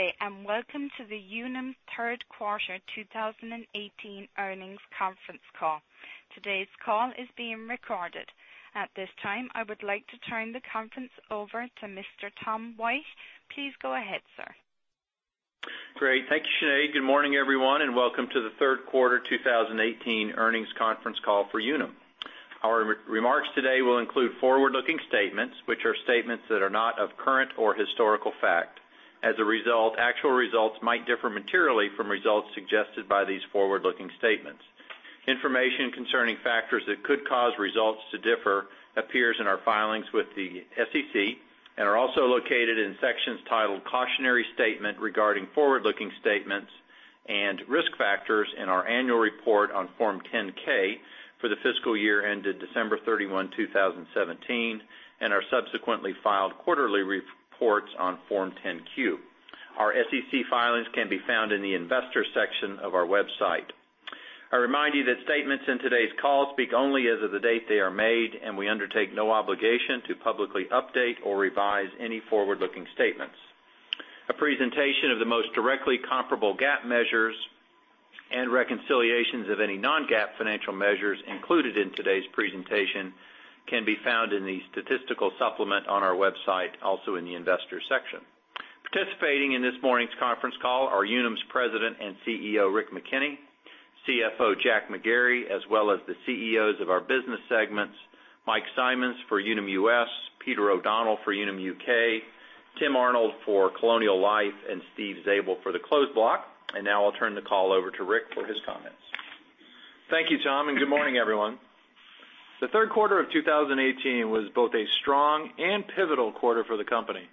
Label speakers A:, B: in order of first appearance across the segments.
A: Good day, welcome to the Unum third quarter 2018 earnings conference call. Today's call is being recorded. At this time, I would like to turn the conference over to Mr. Tom White. Please go ahead, sir.
B: Great. Thank you, Sinead. Good morning, everyone, welcome to the third quarter 2018 earnings conference call for Unum. Our remarks today will include forward-looking statements, which are statements that are not of current or historical fact. As a result, actual results might differ materially from results suggested by these forward-looking statements. Information concerning factors that could cause results to differ appears in our filings with the SEC and are also located in sections titled Cautionary Statement regarding Forward-Looking Statements and Risk Factors in our annual report on Form 10-K for the fiscal year ended December 31, 2017, and our subsequently filed quarterly reports on Form 10-Q. Our SEC filings can be found in the Investors section of our website. I remind you that statements in today's call speak only as of the date they are made, we undertake no obligation to publicly update or revise any forward-looking statements. A presentation of the most directly comparable GAAP measures and reconciliations of any non-GAAP financial measures included in today's presentation can be found in the statistical supplement on our website, also in the Investors section. Participating in this morning's conference call are Unum's President and CEO, Rick McKenney, CFO, Jack McGarry, as well as the CEOs of our business segments, Mike Simonds for Unum US, Peter O'Donnell for Unum UK, Tim Arnold for Colonial Life, and Steve Zabel for the Closed Block. Now I'll turn the call over to Rick for his comments.
C: Thank you, Tom, good morning, everyone. The third quarter of 2018 was both a strong and pivotal quarter for the company.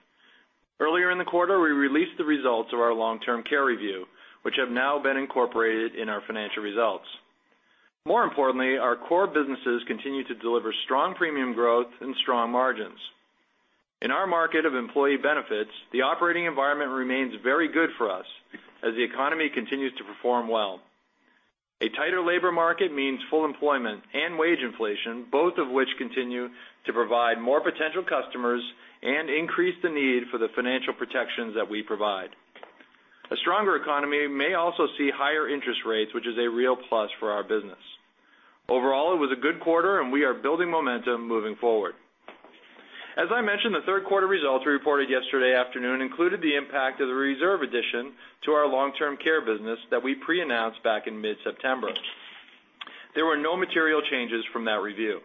C: Earlier in the quarter, we released the results of our long-term care review, which have now been incorporated in our financial results. More importantly, our core businesses continue to deliver strong premium growth and strong margins. In our market of employee benefits, the operating environment remains very good for us as the economy continues to perform well. A tighter labor market means full employment and wage inflation, both of which continue to provide more potential customers and increase the need for the financial protections that we provide. A stronger economy may also see higher interest rates, which is a real plus for our business. Overall, it was a good quarter, we are building momentum moving forward. As I mentioned, the third quarter results we reported yesterday afternoon included the impact of the reserve addition to our long-term care business that we pre-announced back in mid-September. There were no material changes from that review.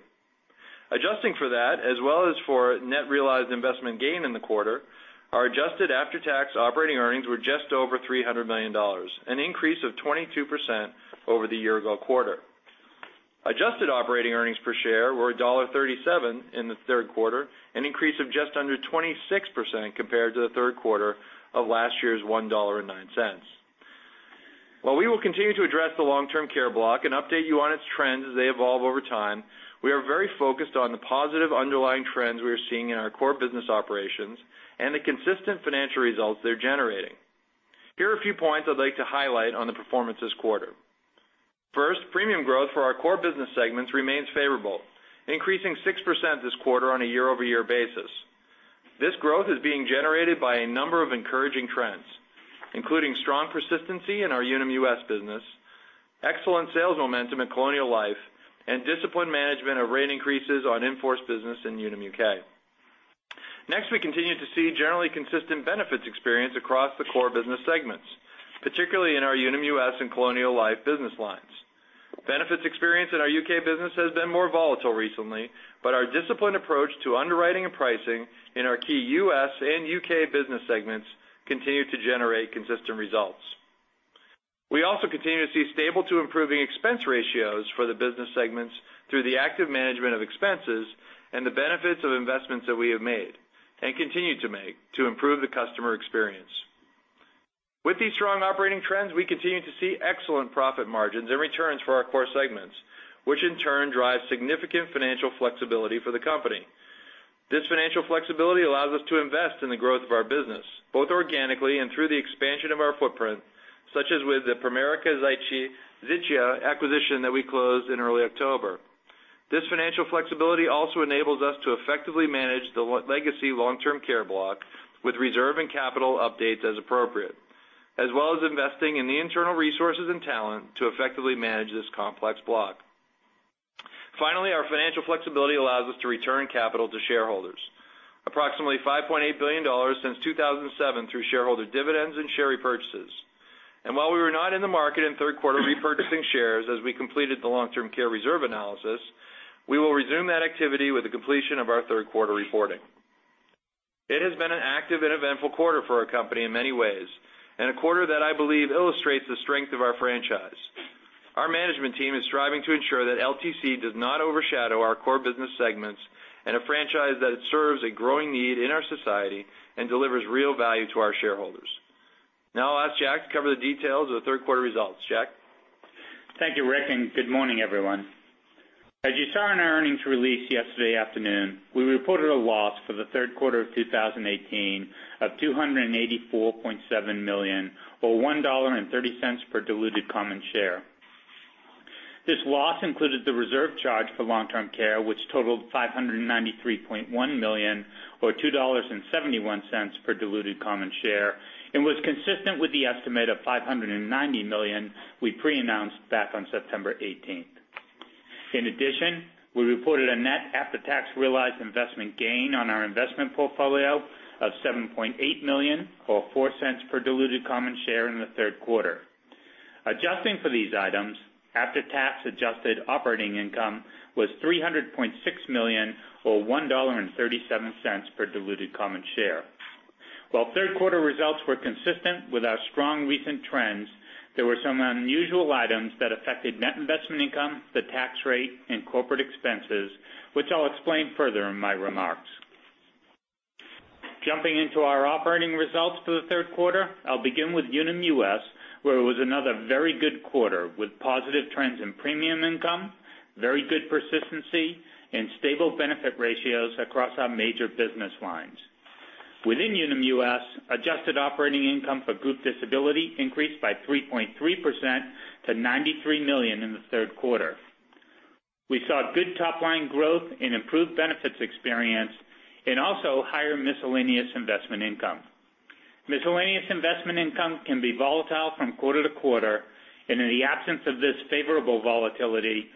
C: Adjusting for that, as well as for net realized investment gain in the quarter, our adjusted after-tax operating earnings were just over $300 million, an increase of 22% over the year-ago quarter. Adjusted operating earnings per share were $1.37 in the third quarter, an increase of just under 26% compared to the third quarter of last year's $1.09. While we will continue to address the long-term care block and update you on its trends as they evolve over time, we are very focused on the positive underlying trends we are seeing in our core business operations and the consistent financial results they're generating. Here are a few points I'd like to highlight on the performance this quarter. First, premium growth for our core business segments remains favorable, increasing 6% this quarter on a year-over-year basis. This growth is being generated by a number of encouraging trends, including strong persistency in our Unum US business, excellent sales momentum at Colonial Life, and disciplined management of rate increases on in-force business in Unum UK. Next, we continue to see generally consistent benefits experience across the core business segments, particularly in our Unum US and Colonial Life business lines. Benefits experience in our U.K. business has been more volatile recently, but our disciplined approach to underwriting and pricing in our key U.S. and U.K. business segments continue to generate consistent results. We also continue to see stable to improving expense ratios for the business segments through the active management of expenses and the benefits of investments that we have made and continue to make to improve the customer experience. With these strong operating trends, we continue to see excellent profit margins and returns for our core segments, which in turn drives significant financial flexibility for the company. This financial flexibility allows us to invest in the growth of our business, both organically and through the expansion of our footprint, such as with the Pramerica Życie acquisition that we closed in early October. This financial flexibility also enables us to effectively manage the legacy long-term care block with reserve and capital updates as appropriate, as well as investing in the internal resources and talent to effectively manage this complex block. Finally, our financial flexibility allows us to return capital to shareholders, approximately $5.8 billion since 2007 through shareholder dividends and share repurchases. While we were not in the market in the third quarter repurchasing shares as we completed the long-term care reserve analysis, we will resume that activity with the completion of our third quarter reporting. It has been an active and eventful quarter for our company in many ways, and a quarter that I believe illustrates the strength of our franchise. Our management team is striving to ensure that LTC does not overshadow our core business segments and a franchise that serves a growing need in our society and delivers real value to our shareholders. Now I'll ask Jack to cover the details of the third quarter results. John?
D: Thank you, Rick, Good morning, everyone. As you saw in our earnings release yesterday afternoon, we reported a loss for the third quarter of 2018 of $284.7 million, or $1.30 per diluted common share. This loss included the reserve charge for long-term care, which totaled $593.1 million or $2.71 per diluted common share and was consistent with the estimate of $590 million we pre-announced back on September 18th. In addition, we reported a net after-tax realized investment gain on our investment portfolio of $7.8 million or $0.04 per diluted common share in the third quarter. Adjusting for these items, after-tax adjusted operating income was $300.6 million or $1.37 per diluted common share. While third quarter results were consistent with our strong recent trends, there were some unusual items that affected net investment income, the tax rate and corporate expenses, which I'll explain further in my remarks. Jumping into our operating results for the third quarter, I'll begin with Unum US, where it was another very good quarter with positive trends in premium income, very good persistency and stable benefit ratios across our major business lines. Within Unum US, adjusted operating income for group disability increased by 3.3% to $93 million in the third quarter. We saw good top-line growth and improved benefits experience, and also higher miscellaneous investment income. Miscellaneous investment income can be volatile from quarter to quarter, and in the absence of this favorable volatility,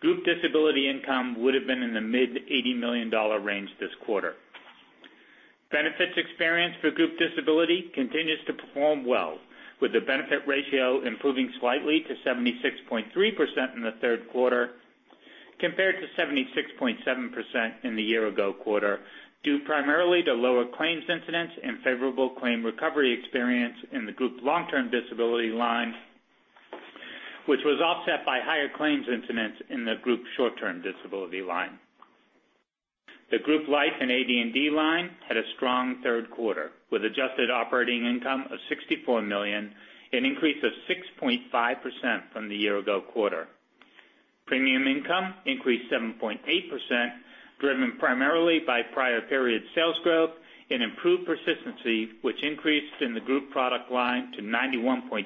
D: group disability income would have been in the mid-$80 million range this quarter. Benefits experience for group disability continues to perform well, with the benefit ratio improving slightly to 76.3% in the third quarter compared to 76.7% in the year ago quarter, due primarily to lower claims incidents and favorable claim recovery experience in the group long-term disability line, which was offset by higher claims incidents in the group short-term disability line. The group life and AD&D line had a strong third quarter with adjusted operating income of $64 million, an increase of 6.5% from the year ago quarter. Premium income increased 7.8%, driven primarily by prior period sales growth and improved persistency, which increased in the group product line to 91.2%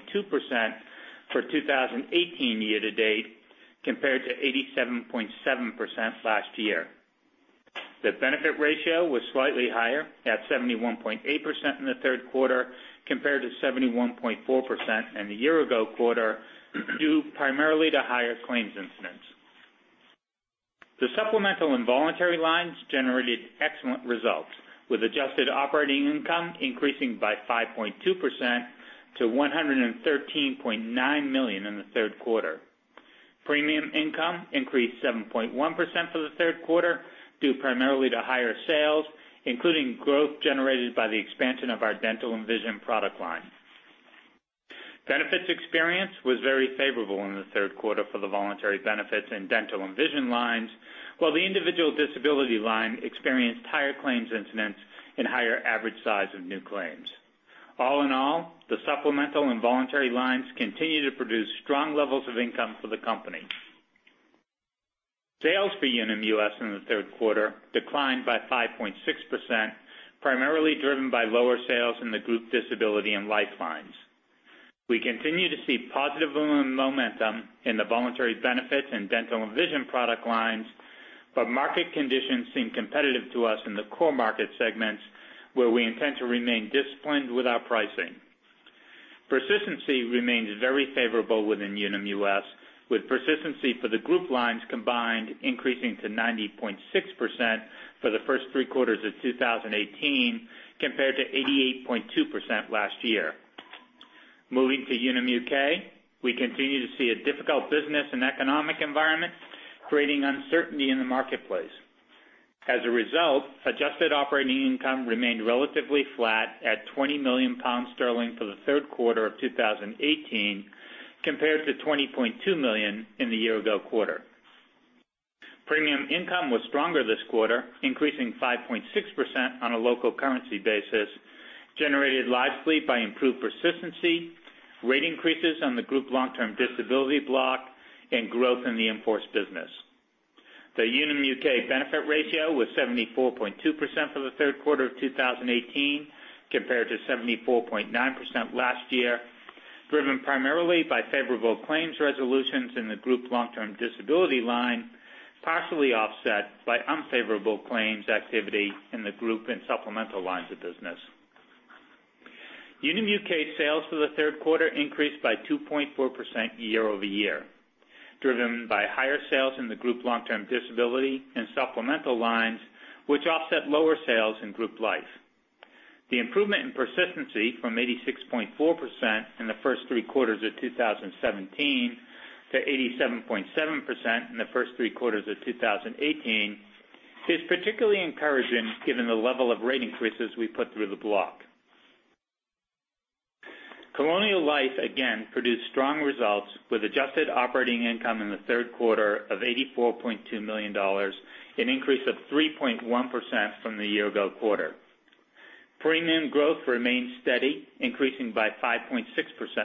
D: for 2018 year to date, compared to 87.7% last year. The benefit ratio was slightly higher at 71.8% in the third quarter, compared to 71.4% in the year ago quarter, due primarily to higher claims incidents. The supplemental and voluntary lines generated excellent results, with adjusted operating income increasing by 5.2% to $113.9 million in the third quarter. Premium income increased 7.1% for the third quarter, due primarily to higher sales, including growth generated by the expansion of our dental and vision product lines. Benefits experience was very favorable in the third quarter for the voluntary benefits in dental and vision lines, while the individual disability line experienced higher claims incidents and higher average size of new claims. All in all, the supplemental and voluntary lines continue to produce strong levels of income for the company. Sales for Unum US in the third quarter declined by 5.6%, primarily driven by lower sales in the group disability and life lines. We continue to see positive momentum in the voluntary benefits in dental and vision product lines, but market conditions seem competitive to us in the core market segments where we intend to remain disciplined with our pricing. Persistency remains very favorable within Unum US, with persistency for the group lines combined increasing to 90.6% for the first three quarters of 2018, compared to 88.2% last year. Moving to Unum UK, we continue to see a difficult business and economic environment, creating uncertainty in the marketplace. As a result, adjusted operating income remained relatively flat at 20 million pounds for the third quarter of 2018, compared to 20.2 million in the year-ago quarter. Premium income was stronger this quarter, increasing 5.6% on a local currency basis, generated largely by improved persistency, rate increases on the group long-term disability block and growth in the in-force business. The Unum UK benefit ratio was 74.2% for the third quarter of 2018 compared to 74.9% last year, driven primarily by favorable claims resolutions in the group long-term disability line, partially offset by unfavorable claims activity in the group and supplemental lines of business. Unum UK sales for the third quarter increased by 2.4% year-over-year, driven by higher sales in the group long-term disability and supplemental lines, which offset lower sales in group life. The improvement in persistency from 86.4% in the first three quarters of 2017 to 87.7% in the first three quarters of 2018, is particularly encouraging given the level of rate increases we put through the block. Colonial Life, again, produced strong results with adjusted operating income in the third quarter of $84.2 million, an increase of 3.1% from the year-ago quarter. Premium growth remained steady, increasing by 5.6%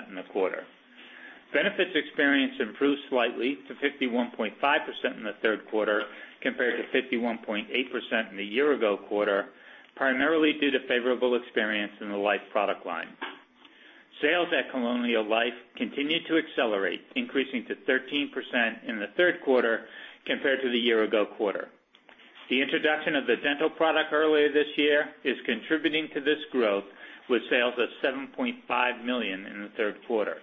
D: in the quarter. Benefits experience improved slightly to 51.5% in the third quarter compared to 51.8% in the year-ago quarter, primarily due to favorable experience in the life product line. Sales at Colonial Life continued to accelerate, increasing to 13% in the third quarter compared to the year-ago quarter. The introduction of the dental product earlier this year is contributing to this growth, with sales of $7.5 million in the third quarter.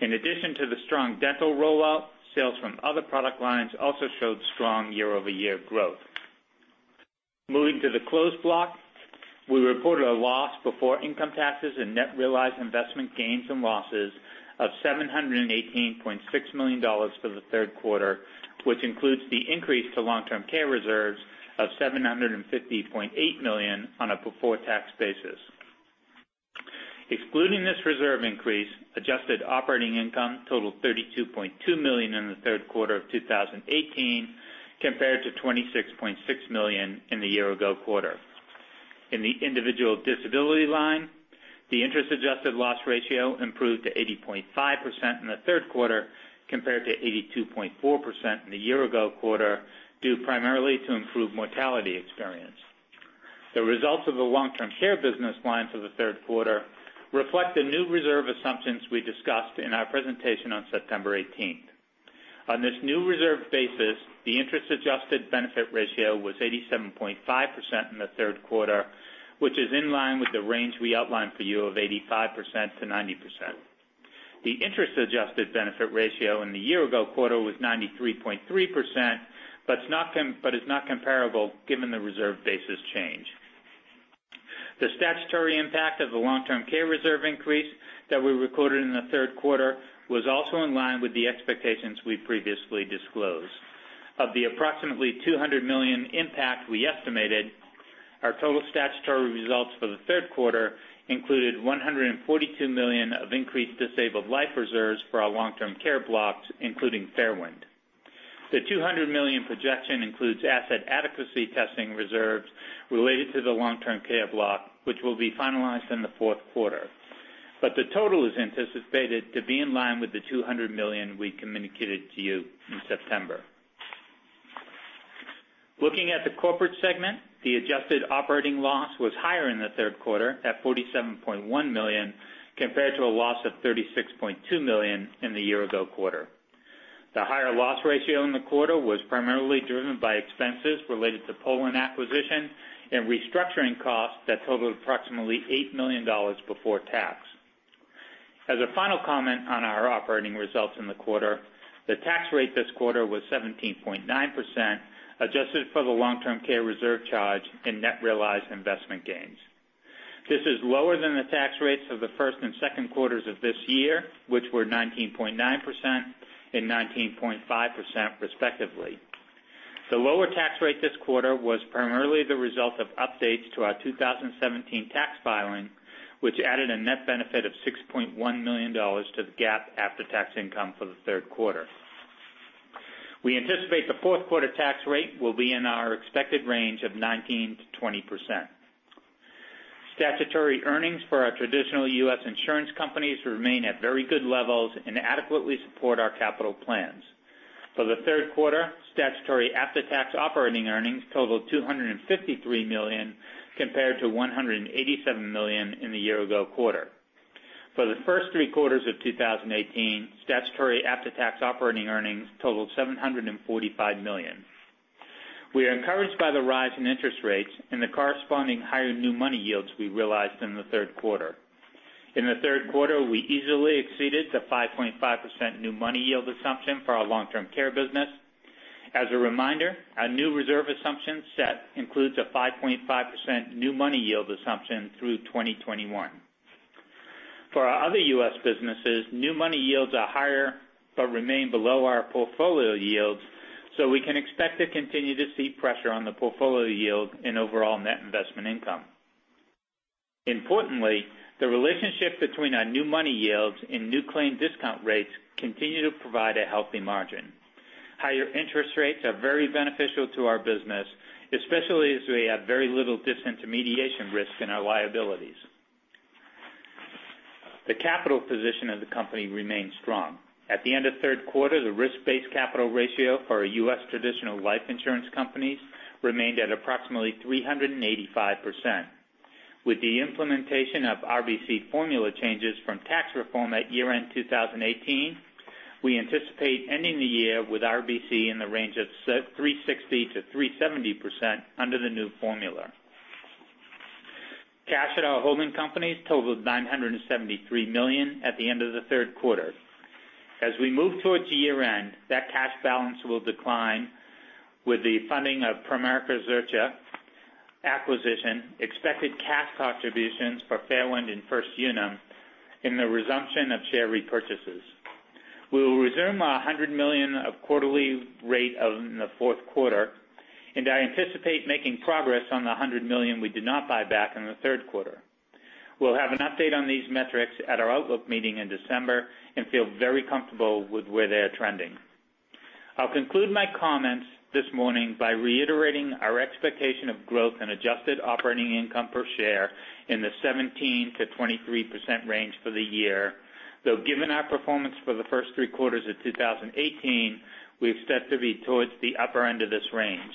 D: In addition to the strong dental rollout, sales from other product lines also showed strong year-over-year growth. Moving to the Closed Block, we reported a loss before income taxes and net realized investment gains and losses of $718.6 million for the third quarter, which includes the increase to long-term care reserves of $750.8 million on a before-tax basis. Excluding this reserve increase, adjusted operating income totaled $32.2 million in the third quarter of 2018, compared to $26.6 million in the year-ago quarter. In the individual disability line, the interest-adjusted loss ratio improved to 80.5% in the third quarter, compared to 82.4% in the year-ago quarter, due primarily to improved mortality experience. The results of the long-term care business lines for the third quarter reflect the new reserve assumptions we discussed in our presentation on September 18th. On this new reserve basis, the interest-adjusted benefit ratio was 87.5% in the third quarter, which is in line with the range we outlined for you of 85%-90%. The interest-adjusted benefit ratio in the year-ago quarter was 93.3%, but is not comparable given the reserve basis change. The statutory impact of the long-term care reserve increase that we recorded in the third quarter was also in line with the expectations we previously disclosed. Of the approximately $200 million impact we estimated, our total statutory results for the third quarter included $142 million of increased disabled life reserves for our long-term care blocks, including Fairwind. The $200 million projection includes asset adequacy testing reserves related to the long-term care block, which will be finalized in the fourth quarter. The total is anticipated to be in line with the $200 million we communicated to you in September. Looking at the corporate segment, the adjusted operating loss was higher in the third quarter at $47.1 million, compared to a loss of $36.2 million in the year-ago quarter. The higher loss ratio in the quarter was primarily driven by expenses related to Poland acquisition and restructuring costs that totaled approximately $8 million before tax. As a final comment on our operating results in the quarter, the tax rate this quarter was 17.9%, adjusted for the long-term care reserve charge and net realized investment gains. This is lower than the tax rates of the first and second quarters of this year, which were 19.9% and 19.5% respectively. The lower tax rate this quarter was primarily the result of updates to our 2017 tax filing, which added a net benefit of $6.1 million to the GAAP after-tax income for the third quarter. We anticipate the fourth quarter tax rate will be in our expected range of 19%-20%. Statutory earnings for our traditional U.S. insurance companies remain at very good levels and adequately support our capital plans. For the third quarter, statutory after-tax operating earnings totaled $253 million, compared to $187 million in the year-ago quarter. For the first three quarters of 2018, statutory after-tax operating earnings totaled $745 million. We are encouraged by the rise in interest rates and the corresponding higher new money yields we realized in the third quarter. In the third quarter, we easily exceeded the 5.5% new money yield assumption for our long-term care business. As a reminder, our new reserve assumption set includes a 5.5% new money yield assumption through 2021. For our other U.S. businesses, new money yields are higher but remain below our portfolio yields, so we can expect to continue to see pressure on the portfolio yield and overall net investment income. Importantly, the relationship between our new money yields and new claim discount rates continue to provide a healthy margin. Higher interest rates are very beneficial to our business, especially as we have very little disintermediation risk in our liabilities. The capital position of the company remains strong. At the end of third quarter, the risk-based capital ratio for our U.S. traditional life insurance companies remained at approximately 385%. With the implementation of RBC formula changes from tax reform at year-end 2018, we anticipate ending the year with RBC in the range of 360%-370% under the new formula. Cash at our holding companies totaled $973 million at the end of the third quarter. As we move towards year-end, that cash balance will decline with the funding of Pramerica Życie acquisition, expected cash contributions for Fairwind and First Unum, and the resumption of share repurchases. We will resume our $100 million of quarterly rate in the fourth quarter, I anticipate making progress on the $100 million we did not buy back in the third quarter. We'll have an update on these metrics at our outlook meeting in December and feel very comfortable with where they are trending. I'll conclude my comments this morning by reiterating our expectation of growth and adjusted operating income per share in the 17%-23% range for the year, though given our performance for the first three quarters of 2018, we expect to be towards the upper end of this range.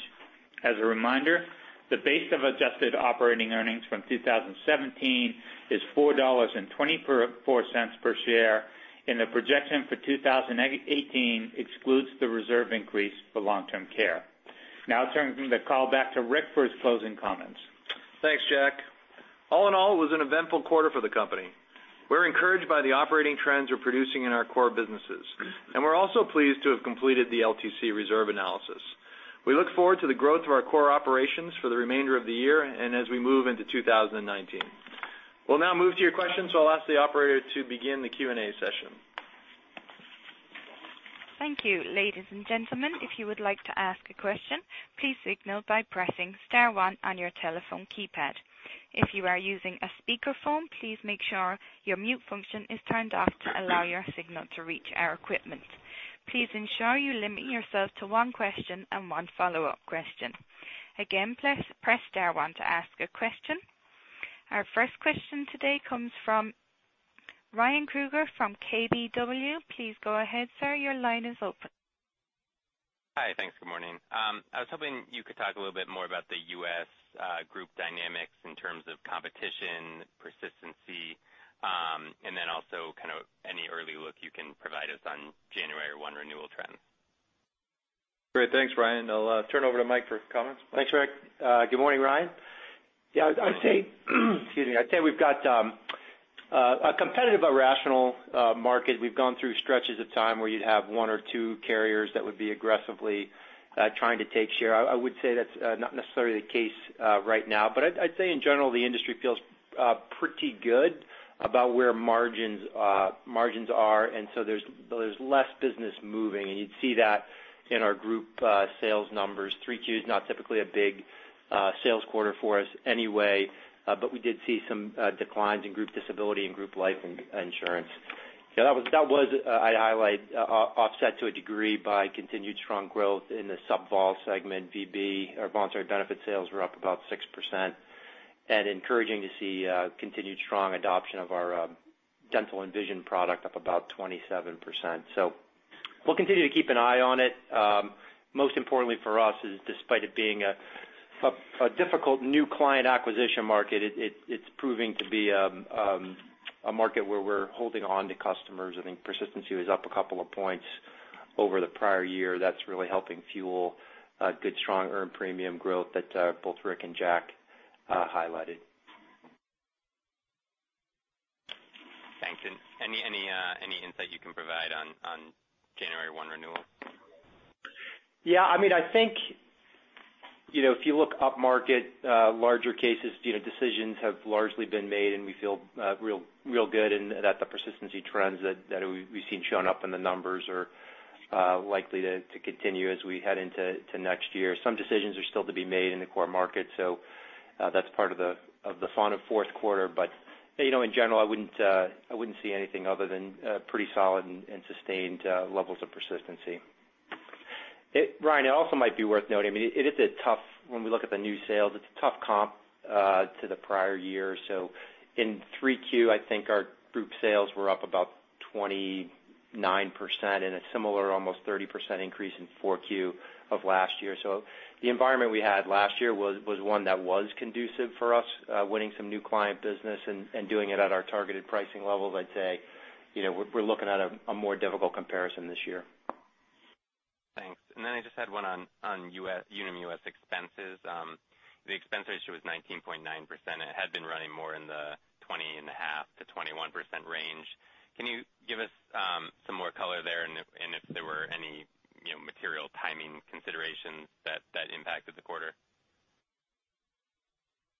D: As a reminder, the base of adjusted operating earnings from 2017 is $4.24 per share, and the projection for 2018 excludes the reserve increase for long-term care. Turning the call back to Rick for his closing comments.
C: Thanks, Jack. All in all, it was an eventful quarter for the company. We're encouraged by the operating trends we're producing in our core businesses, and we're also pleased to have completed the LTC reserve analysis. We look forward to the growth of our core operations for the remainder of the year and as we move into 2019. We'll now move to your questions. I'll ask the operator to begin the Q&A session.
A: Thank you. Ladies and gentlemen, if you would like to ask a question, please signal by pressing star one on your telephone keypad. If you are using a speakerphone, please make sure your mute function is turned off to allow your signal to reach our equipment. Please ensure you limit yourself to one question and one follow-up question. Again, press star one to ask a question. Our first question today comes from Ryan Krueger from KBW. Please go ahead, sir. Your line is open.
E: Hi. Thanks. Good morning. I was hoping you could talk a little bit more about the U.S. group dynamics in terms of competition, persistency, and also kind of any early look you can provide us on January one renewal trends.
C: Great. Thanks, Ryan. I'll turn over to Mike for comments.
F: Thanks, Rick. Good morning, Ryan. I'd say we've got a competitively rational market. We've gone through stretches of time where you'd have one or two carriers that would be aggressively trying to take share. I would say that's not necessarily the case right now, but I'd say in general, the industry feels pretty good about where margins are. There's less business moving, you'd see that in our group sales numbers. Q3 is not typically a big sales quarter for us anyway, but we did see some declines in group disability and group life insurance. That was, I'd highlight, offset to a degree by continued strong growth in the subVol segment, VB. Our voluntary benefit sales were up about 6%, and encouraging to see continued strong adoption of our dental and vision product up about 27%. We'll continue to keep an eye on it. Most importantly for us is despite it being a difficult new client acquisition market, it's proving to be a market where we're holding on to customers. I think persistency was up a couple of points over the prior year. That's really helping fuel good, strong earned premium growth that both Rick and Jack highlighted.
E: Thanks. Any insight you can provide on January 1 renewal?
F: I think if you look up market, larger cases, decisions have largely been made, and we feel real good and that the persistency trends that we've seen shown up in the numbers are likely to continue as we head into next year. Some decisions are still to be made in the core market, so that's part of the fun of fourth quarter. In general, I wouldn't see anything other than pretty solid and sustained levels of persistency. Ryan, it also might be worth noting, when we look at the new sales, it's a tough comp to the prior year. In Q3, I think our group sales were up about 29% and a similar, almost 30% increase in Q4 of last year. The environment we had last year was one that was conducive for us, winning some new client business and doing it at our targeted pricing levels. I'd say we're looking at a more difficult comparison this year.
E: Thanks. I just had one on Unum US expenses. The expense ratio was 19.9%, and it had been running more in the 20.5%-21% range. Can you give us some more color there and if there were any material timing considerations that impacted the quarter?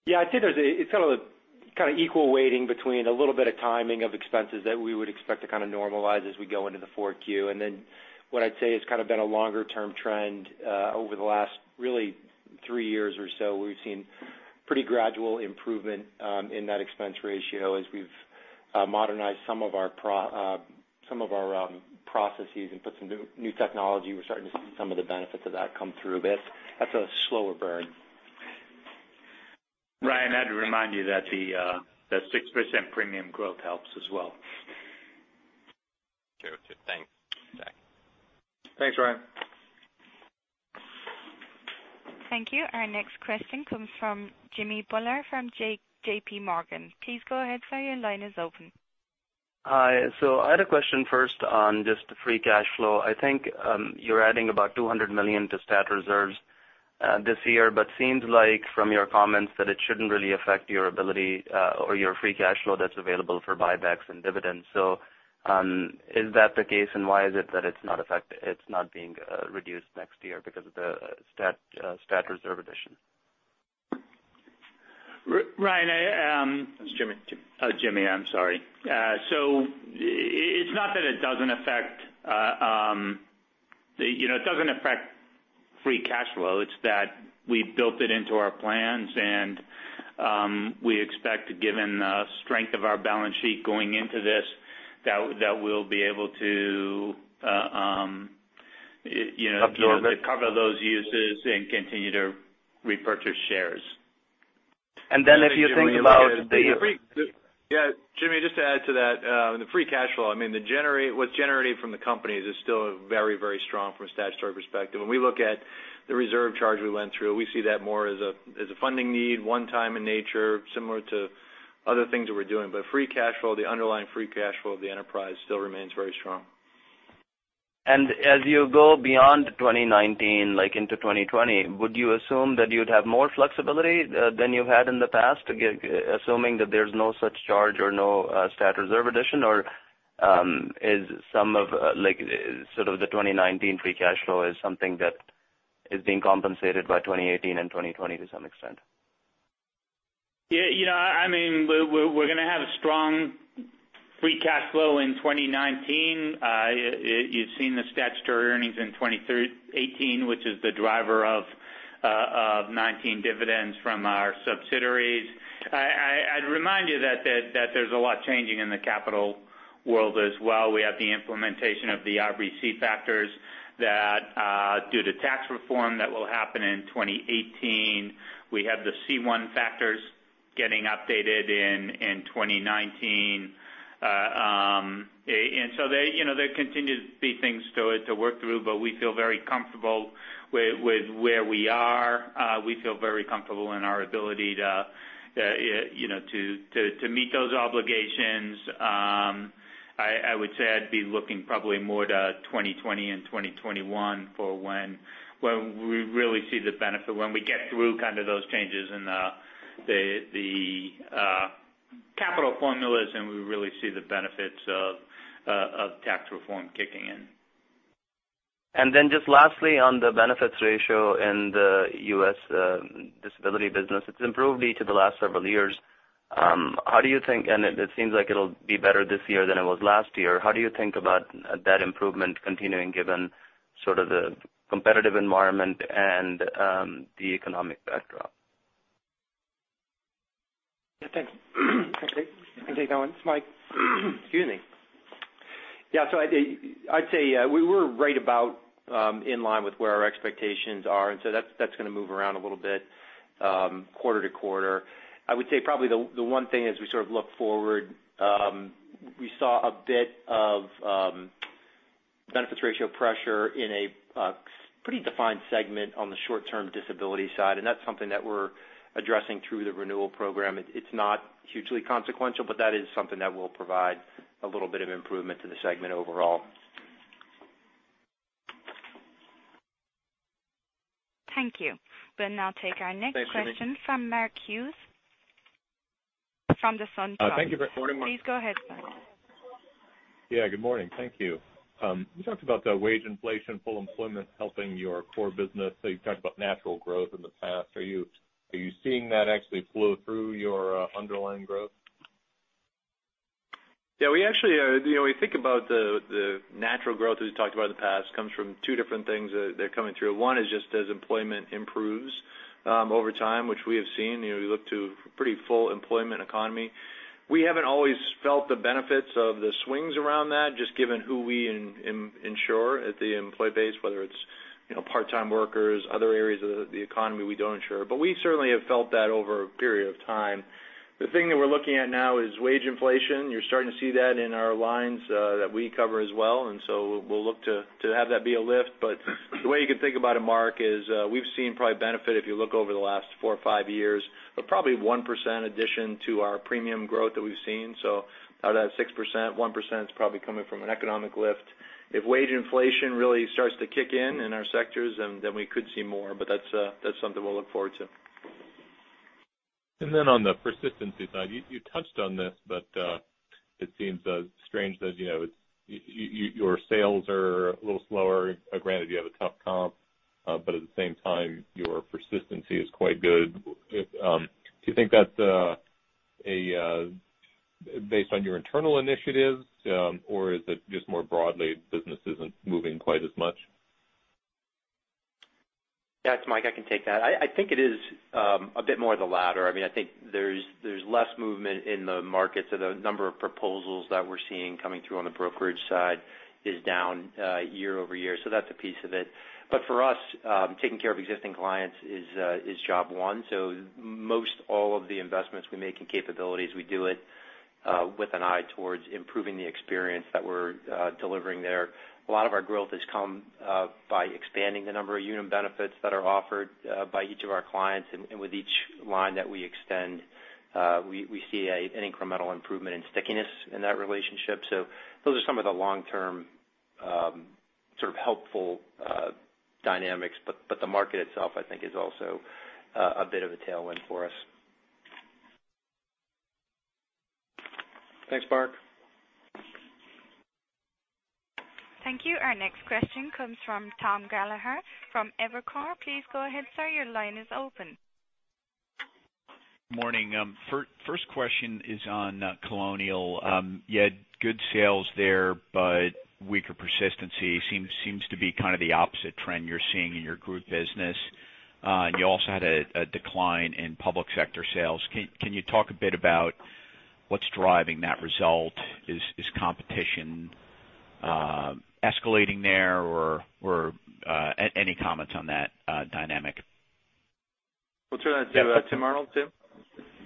F: Yeah, I'd say it's kind of equal weighting between a little bit of timing of expenses that we would expect to kind of normalize as we go into the Q4. What I'd say has kind of been a longer-term trend over the last really 3 years or so, we've seen pretty gradual improvement in that expense ratio as we've modernized some of our processes and put some new technology. We're starting to see some of the benefits of that come through a bit. That's a slower burn.
D: Ryan, I'd remind you that the 6% premium growth helps as well.
E: True. Thanks, Jack.
C: Thanks, Ryan.
A: Thank you. Our next question comes from Jimmy Bhullar from J.P. Morgan. Please go ahead, sir, your line is open.
G: Hi. I had a question first on just the free cash flow. I think you're adding about $200 million to stat reserves this year, but seems like from your comments that it shouldn't really affect your ability or your free cash flow that's available for buybacks and dividends. Is that the case, and why is it that it's not being reduced next year because of the stat reserve addition?
D: Ryan-
C: It's Jimmy.
D: Oh, Jimmy, I'm sorry. It's not that it doesn't affect free cash flow. It's that we built it into our plans, and we expect, given the strength of our balance sheet going into this, that we'll be able to-
G: Absorb it
D: cover those uses and continue to repurchase shares
G: If you think about
C: Yeah, Jimmy Bhullar, just to add to that, the free cash flow, what's generating from the company is still very, very strong from a statutory perspective. When we look at the reserve charge we went through, we see that more as a funding need, one time in nature, similar to other things that we're doing. Free cash flow, the underlying free cash flow of the enterprise still remains very strong.
G: As you go beyond 2019 into 2020, would you assume that you'd have more flexibility than you've had in the past, assuming that there's no such charge or no stat reserve addition? Or is some of the 2019 free cash flow is something that is being compensated by 2018 and 2020 to some extent?
D: Yeah. We're going to have a strong free cash flow in 2019. You've seen the statutory earnings in 2018, which is the driver of 2019 dividends from our subsidiaries. I'd remind you that there's a lot changing in the capital world as well. We have the implementation of the RBC factors that due to tax reform, that will happen in 2018. We have the C1 factors getting updated in 2019. There continue to be things to work through, but we feel very comfortable with where we are. We feel very comfortable in our ability to meet those obligations. I would say I'd be looking probably more to 2020 and 2021 for when we really see the benefit, when we get through those changes in the capital formulas, and we really see the benefits of tax reform kicking in.
G: Just lastly, on the benefits ratio in the U.S. disability business. It's improved each of the last several years. It seems like it'll be better this year than it was last year. How do you think about that improvement continuing given the competitive environment and the economic backdrop?
F: Yeah, thanks. Can I take that one? It's Mike Simonds. Excuse me. Yeah, I'd say we're right about in line with where our expectations are, and so that's going to move around a little bit quarter to quarter. I would say probably the one thing as we look forward, we saw a bit of benefits ratio pressure in a pretty defined segment on the short-term disability side, and that's something that we're addressing through the renewal program. It's not hugely consequential, but that is something that will provide a little bit of improvement to the segment overall.
A: Thank you. We'll now take our next question from Mark Hughes from the SunTrust.
C: Thank you very-
A: Please go ahead, sir.
H: Yeah. Good morning. Thank you. You talked about the wage inflation, full employment helping your core business. You've talked about natural growth in the past. Are you seeing that actually flow through your underlying growth?
C: Yeah. We think about the natural growth, as we talked about in the past, comes from two different things that are coming through. One is just as employment improves over time, which we have seen. We look to pretty full employment economy. We haven't always felt the benefits of the swings around that, just given who we insure at the employee base, whether it's part-time workers, other areas of the economy we don't insure. We certainly have felt that over a period of time. The thing that we're looking at now is wage inflation. You're starting to see that in our lines that we cover as well. We'll look to have that be a lift. The way you can think about it, Mark, is we've seen probably benefit if you look over the last four or five years, probably 1% addition to our premium growth that we've seen. Out of that 6%, 1% is probably coming from an economic lift. If wage inflation really starts to kick in in our sectors, then we could see more, but that's something we'll look forward to.
H: On the persistency side, you touched on this, but it seems strange that your sales are a little slower. Granted, you have a tough comp, but at the same time, your persistency is quite good. Do you think that's based on your internal initiatives, or is it just more broadly business isn't moving quite as much?
F: Yeah, it's Mike, I can take that. I think it is a bit more of the latter. I think there's less movement in the market, the number of proposals that we're seeing coming through on the brokerage side is down year-over-year. That's a piece of it. For us, taking care of existing clients is job one. Most all of the investments we make in capabilities, we do it with an eye towards improving the experience that we're delivering there. A lot of our growth has come by expanding the number of Unum benefits that are offered by each of our clients, and with each line that we extend, we see an incremental improvement in stickiness in that relationship. Those are some of the long-term helpful dynamics. The market itself, I think, is also a bit of a tailwind for us.
C: Thanks, Mark.
A: Thank you. Our next question comes from Thomas Gallagher from Evercore. Please go ahead, sir. Your line is open.
I: Morning. First question is on Colonial Life. You had good sales there, but weaker persistency seems to be kind of the opposite trend you're seeing in your group business. You also had a decline in public sector sales. Can you talk a bit about what's driving that result? Is competition escalating there or any comments on that dynamic?
C: We'll turn that to Tim Arnold. Tim?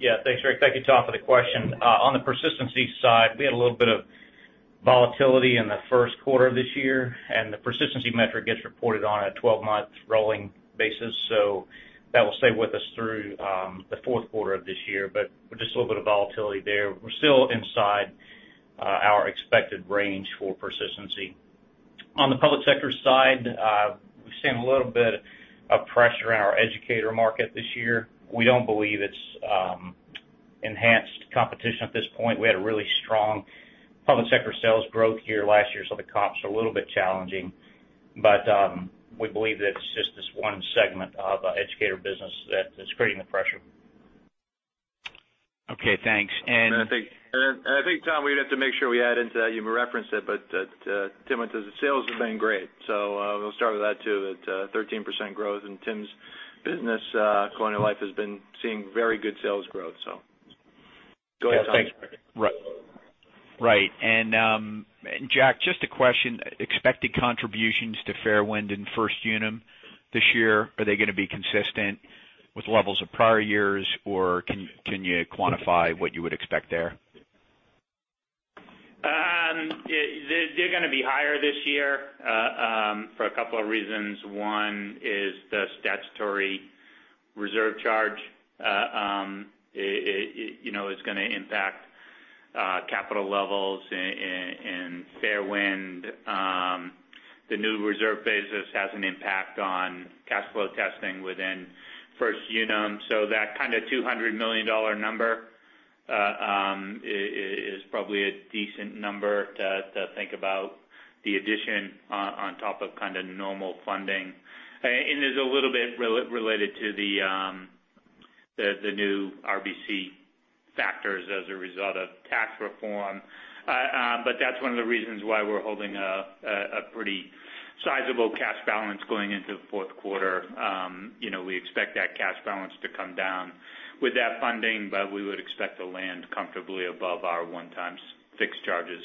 J: Yeah, thanks, Rick. Thank you, Tom, for the question. On the persistency side, we had a little bit of volatility in the first quarter of this year, and the persistency metric gets reported on a 12-month rolling basis. That will stay with us through the fourth quarter of this year, but just a little bit of volatility there. We're still inside our expected range for persistency. On the public sector side, we've seen a little bit of pressure in our educator market this year. We don't believe it's enhanced competition at this point. We had a really strong public sector sales growth here last year, so the comps are a little bit challenging. We believe that it's just this one segment of educator business that is creating the pressure.
I: Okay, thanks.
C: I think, Tom, we'd have to make sure we add into that. You referenced it, but Tim says sales have been great. We'll start with that, too. 13% growth in Tim's business. Colonial Life has been seeing very good sales growth, go ahead, Tom.
I: Right. Jack, just a question. Expected contributions to Fairwind in First Unum this year, are they going to be consistent with levels of prior years, or can you quantify what you would expect there?
D: They're going to be higher this year for a couple of reasons. One is the statutory reserve charge is going to impact capital levels in Fairwind. The new reserve basis has an impact on cash flow testing within First Unum. That kind of $200 million number is probably a decent number to think about the addition on top of kind of normal funding. Is a little bit related to the new RBC factors as a result of tax reform. That's one of the reasons why we're holding a pretty sizable cash balance going into the fourth quarter. We expect that cash balance to come down with that funding, but we would expect to land comfortably above our one-time fixed charges.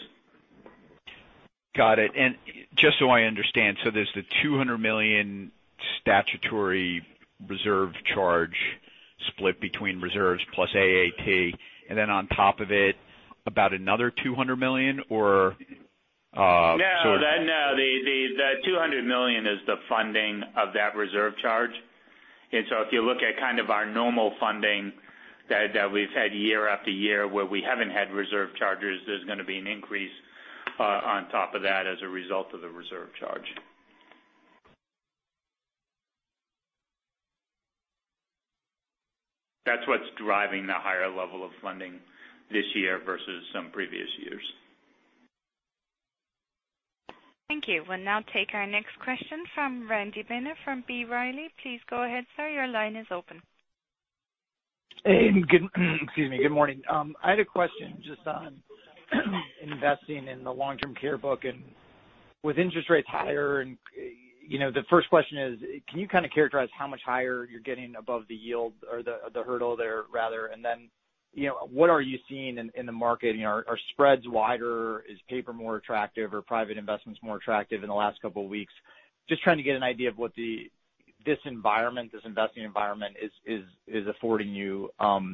I: Got it. Just so I understand, there's the $200 million statutory reserve charge split between reserves plus AAT, and then on top of it, about another $200 million or?
D: No. The $200 million is the funding of that reserve charge. If you look at kind of our normal funding that we've had year after year where we haven't had reserve charges, there's going to be an increase on top of that as a result of the reserve charge. That's what's driving the higher level of funding this year versus some previous years.
A: Thank you. We'll now take our next question from Randy Binner from B. Riley. Please go ahead, sir. Your line is open.
K: Excuse me. Good morning. I had a question just on investing in the long-term care book, with interest rates higher. The first question is, can you kind of characterize how much higher you're getting above the yield or the hurdle there, rather? What are you seeing in the market? Are spreads wider? Is paper more attractive or private investments more attractive in the last couple of weeks? Just trying to get an idea of what this environment, this investing environment is affording you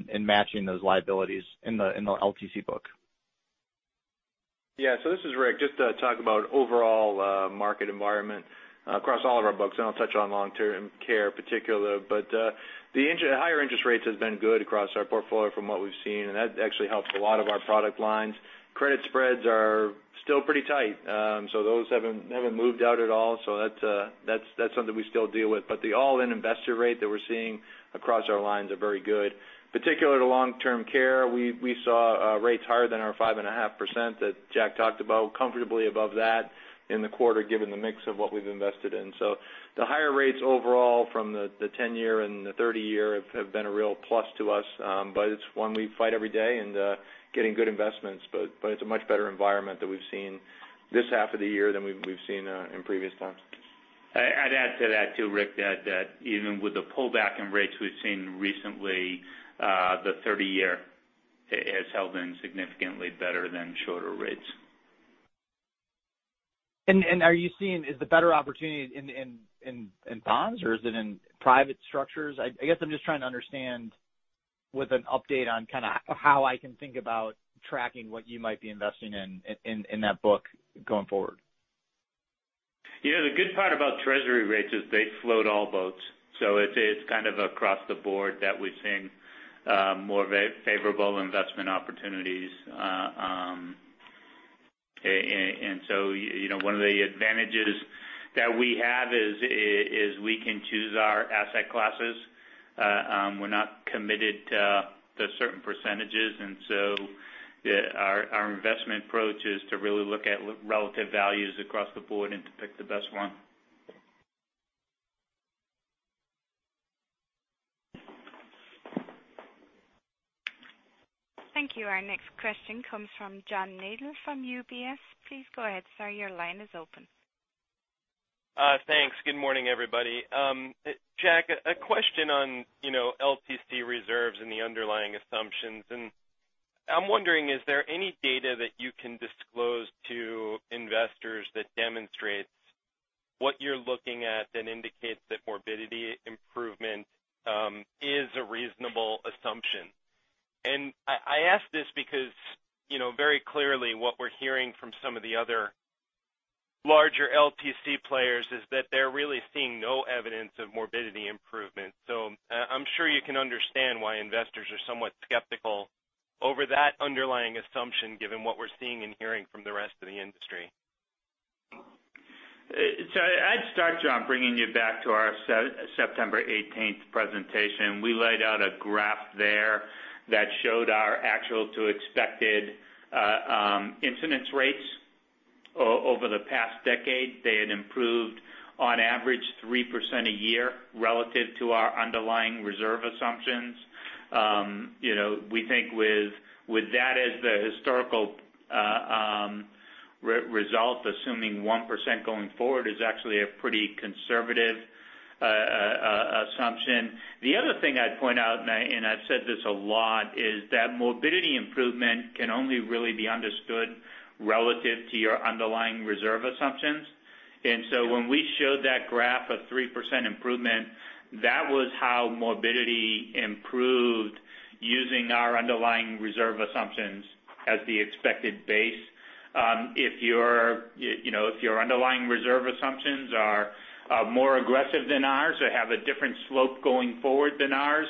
K: in matching those liabilities in the LTC book.
C: Yeah. This is Rick. Just to talk about overall market environment across all of our books. I'll touch on long-term care particular, but the higher interest rates has been good across our portfolio from what we've seen, and that actually helps a lot of our product lines. Credit spreads are still pretty tight. Those haven't moved out at all. That's something we still deal with. The all-in investor rate that we're seeing across our lines are very good. Particular to long-term care, we saw rates higher than our 5.5% that Jack talked about, comfortably above that in the quarter, given the mix of what we've invested in. The higher rates overall from the 10-year and the 30-year have been a real plus to us. It's one we fight every day in getting good investments. It's a much better environment that we've seen this half of the year than we've seen in previous times.
D: I'd add to that, too, Rick, that even with the pullback in rates we've seen recently, the 30-year has held in significantly better than shorter rates.
K: Are you seeing the better opportunity in bonds, or is it in private structures? I guess I'm just trying to understand with an update on kind of how I can think about tracking what you might be investing in that book going forward.
D: Yeah, the good part about Treasury rates is they float all boats, so it's kind of across the board that we're seeing more favorable investment opportunities. One of the advantages that we have is we can choose our asset classes. We're not committed to certain percentages, and so our investment approach is to really look at relative values across the board and to pick the best one.
A: Thank you. Our next question comes from John Nadel from UBS. Please go ahead, sir. Your line is open.
L: Thanks. Good morning, everybody. Jack, a question on LTC reserves and the underlying assumptions. I'm wondering, is there any data that you can disclose to investors that demonstrates what you're looking at that indicates that morbidity improvement is a reasonable assumption? I ask this because very clearly what we're hearing from some of the other larger LTC players is that they're really seeing no evidence of morbidity improvement. I'm sure you can understand why investors are somewhat skeptical over that underlying assumption, given what we're seeing and hearing from the rest of the industry.
D: I'd start, John, bringing you back to our September 18th presentation. We laid out a graph there that showed our actual to expected incidence rates over the past decade. They had improved on average 3% a year relative to our underlying reserve assumptions. We think with that as the historical result, assuming 1% going forward is actually a pretty conservative assumption. The other thing I'd point out, and I've said this a lot, is that morbidity improvement can only really be understood relative to your underlying reserve assumptions. When we showed that graph of 3% improvement, that was how morbidity improved using our underlying reserve assumptions as the expected base. If your underlying reserve assumptions are more aggressive than ours or have a different slope going forward than ours,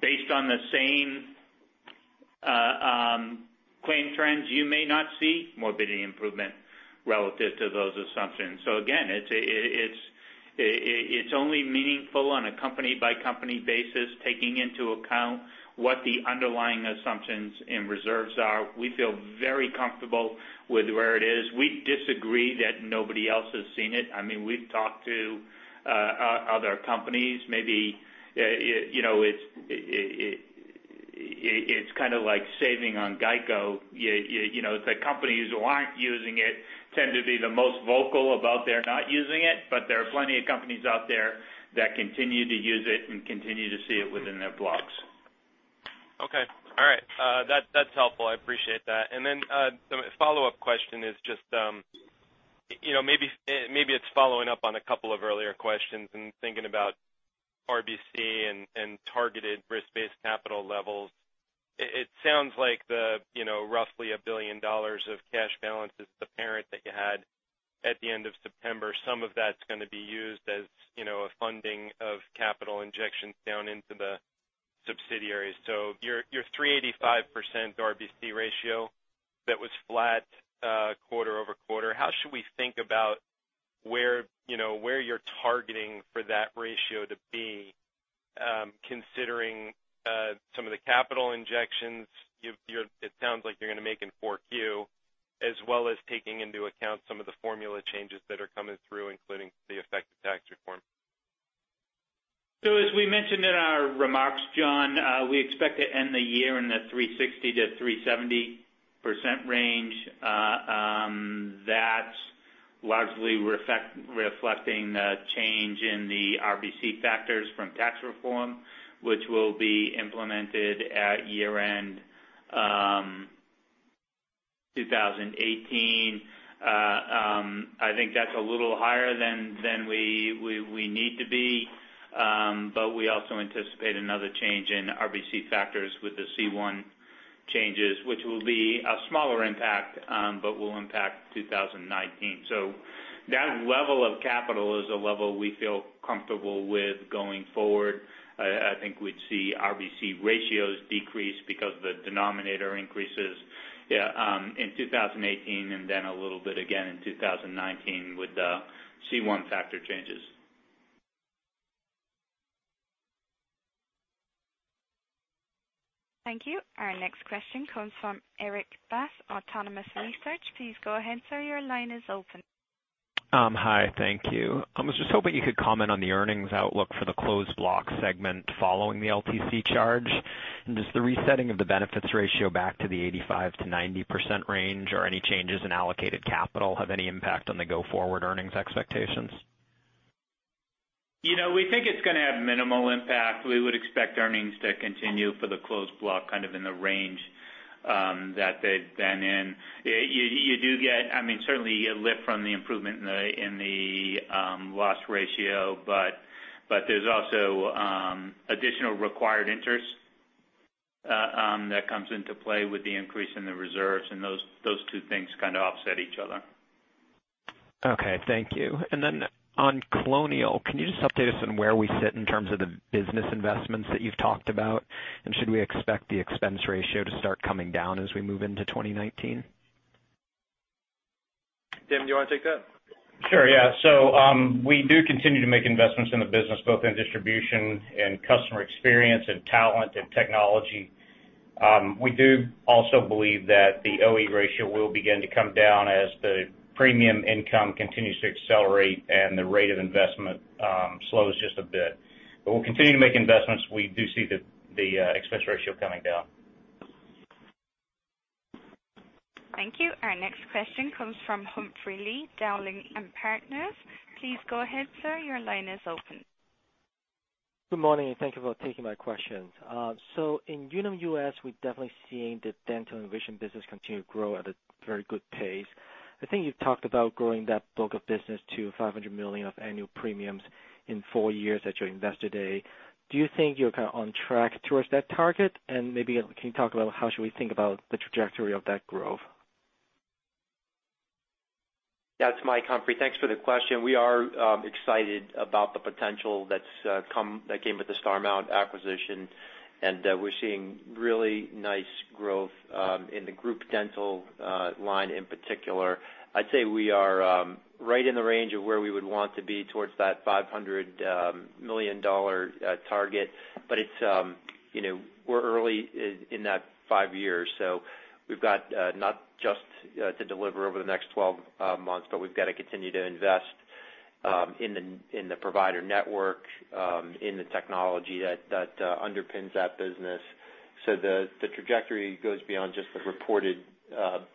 D: based on the same claim trends, you may not see morbidity improvement relative to those assumptions. Again, it's only meaningful on a company-by-company basis, taking into account what the underlying assumptions and reserves are. We feel very comfortable with where it is. We disagree that nobody else has seen it. We've talked to other companies. Maybe it's kind of like saving on GEICO. The companies who aren't using it tend to be the most vocal about their not using it, but there are plenty of companies out there that continue to use it and continue to see it within their blocks.
L: Okay. All right. That's helpful. I appreciate that. The follow-up question is just, maybe it's following up on a couple of earlier questions and thinking about RBC and targeted risk-based capital levels. It sounds like the roughly $1 billion of cash balance is apparent that you had at the end of September. Some of that's going to be used as a funding of capital injections down into the subsidiaries. Your 385% RBC ratio that was flat quarter-over-quarter, how should we think about where you're targeting for that ratio to be, considering some of the capital injections it sounds like you're going to make in 4Q, as well as taking into account some of the formula changes that are coming through, including the effective tax reform?
D: As we mentioned in our remarks, John, we expect to end the year in the 360%-370% range. That's largely reflecting the change in the RBC factors from tax reform, which will be implemented at year-end 2018. I think that's a little higher than we need to be. We also anticipate another change in RBC factors with the C1 changes, which will be a smaller impact but will impact 2019. That level of capital is a level we feel comfortable with going forward. I think we'd see RBC ratios decrease because the denominator increases in 2018 and then a little bit again in 2019 with the C1 factor changes.
A: Thank you. Our next question comes from Erik Bass, Autonomous Research. Please go ahead, sir. Your line is open.
M: Hi, thank you. I was just hoping you could comment on the earnings outlook for the Closed Block segment following the LTC charge. Does the resetting of the benefits ratio back to the 85%-90% range or any changes in allocated capital have any impact on the go-forward earnings expectations?
D: We think it's going to have minimal impact. We would expect earnings to continue for the Closed Block kind of in the range that they've been in. Certainly, you get a lift from the improvement in the loss ratio, there's also additional required interest that comes into play with the increase in the reserves, those two things kind of offset each other.
M: Okay. Thank you. Then on Colonial, can you just update us on where we sit in terms of the business investments that you've talked about? Should we expect the expense ratio to start coming down as we move into 2019?
D: Tim, do you want to take that?
J: Sure, yeah. We do continue to make investments in the business, both in distribution and customer experience and talent and technology. We do also believe that the OE ratio will begin to come down as the premium income continues to accelerate and the rate of investment slows just a bit. We'll continue to make investments. We do see the expense ratio coming down.
A: Thank you. Our next question comes from Humphrey Lee, Dowling & Partners. Please go ahead, sir. Your line is open.
N: Good morning, thank you for taking my questions. In Unum US, we're definitely seeing the dental and vision business continue to grow at a very good pace. I think you've talked about growing that book of business to $500 million of annual premiums in four years at your Investor Day. Do you think you're on track towards that target? Maybe can you talk about how should we think about the trajectory of that growth?
F: Mike, Humphrey. Thanks for the question. We are excited about the potential that came with the Starmount acquisition, and we're seeing really nice growth in the group dental line in particular. I'd say we are right in the range of where we would want to be towards that $500 million target. We're early in that 5 years, so we've got not just to deliver over the next 12 months, but we've got to continue to invest in the provider network, in the technology that underpins that business. The trajectory goes beyond just the reported